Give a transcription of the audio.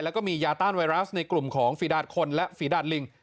แล้วก็มียาต้านไวรัสในกลุ่มของฝีดาตคนและฝีดาดลิง